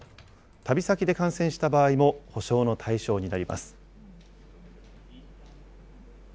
旅先で感染した場合も補償の対象になります。